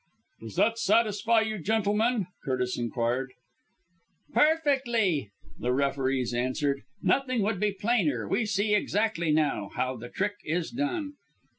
"Does that satisfy you, gentlemen?" Curtis inquired. "Perfectly!" the referees answered. "Nothing could be plainer. We see exactly, now, how the trick is done."